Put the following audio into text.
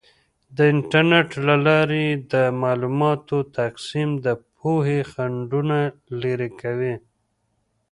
د انټرنیټ له لارې د معلوماتو تقسیم د پوهې خنډونه لرې کوي.